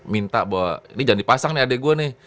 minta bahwa ini jangan dipasang nih adik gue nih